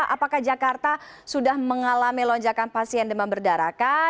apakah jakarta sudah mengalami lonjakan pasien demam berdarah kah